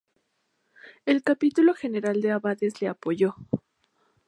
El Capítulo General de abades le apoyó.